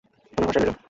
তোমার ভরসায় রইলুম।